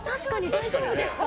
大丈夫ですか？